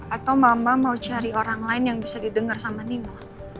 atau mama mau cari orang lain yang bisa didengar sama nino